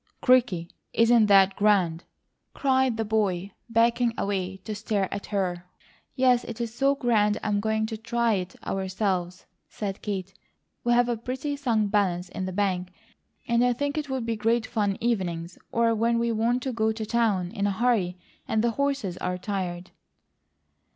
"Crickey, isn't that grand!" cried the boy, backing away to stare at her. "Yes, it is so grand I'm going to try it ourselves," said Kate. "We've a pretty snug balance in the bank, and I think it would be great fun evenings or when we want to go to town in a hurry and the horses are tired."